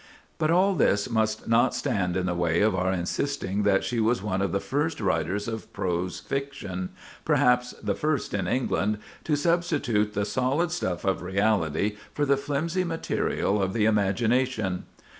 But all this must not stand in the way of our insisting that she was one of the first writers of prose fiction—perhaps the first in England—to substitute the solid stuff of reality for the flimsy material of the imagination.